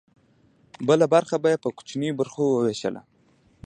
بله برخه به یې په کوچنیو برخو ویشله.